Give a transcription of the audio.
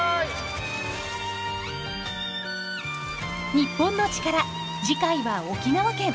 『日本のチカラ』次回は沖縄県。